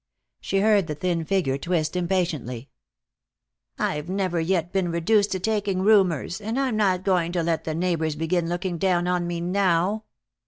She heard the thin figure twist impatiently. "I've never yet been reduced to taking roomers, and I'm not going to let the neighbors begin looking down on me now."